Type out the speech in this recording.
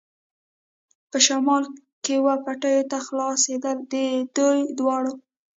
په شمال کې وه پټیو ته خلاصېدل، د دې دواړو.